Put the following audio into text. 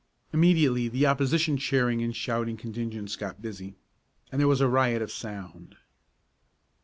Immediately the opposition cheering and shouting contingents got busy, and there was a riot of sound.